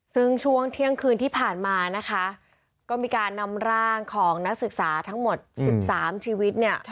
ซึ่งช่วงเที่ยงคืนที่ผ่านมานะคะก็มีการนำร่างของนักศึกษาทั้งหมด๑๓ชีวิตเนี่ย